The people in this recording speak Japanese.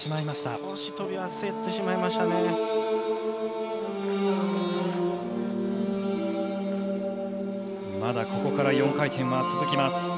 まだここから４回転が続きます。